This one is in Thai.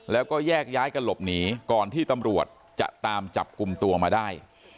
แล้วก็แยกย้ายกันหลบหนีก่อนที่ตำรวจจะตามจับกลุ่มตัวมาได้